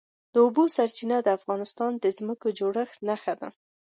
د اوبو سرچینې د افغانستان د ځمکې د جوړښت نښه ده.